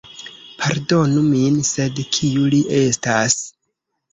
Pardonu min, sed kiu li estas?